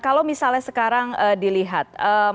kalau misalnya sekarang dilihat